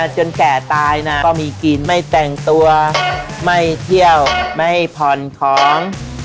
แก่ตายนะก็มีกินไม่แต่งตัวไม่เที่ยวไม่ผ่อนของ